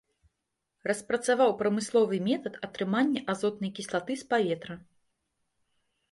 Распрацаваў прамысловы метад атрымання азотнай кіслаты з паветра.